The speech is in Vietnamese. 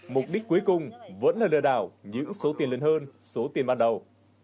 mục đích cuối cùng vẫn là đưa đảo những số tiền lên hơn số tiền ban đầu